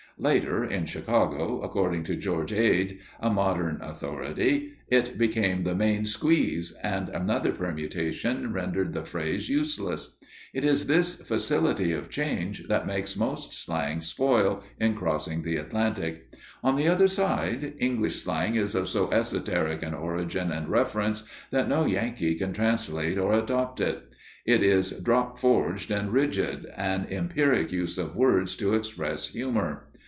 Later, in Chicago, according to George Ade, a modern authority, it became the "main squeeze," and another permutation rendered the phrase useless. It is this facility of change that makes most slang spoil in crossing the Atlantic. On the other side, English slang is of so esoteric an origin and reference, that no Yankee can translate or adopt it. It is drop forged and rigid, an empiric use of words to express humour.